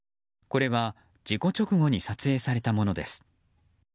これは、事故直後に撮影されたものです。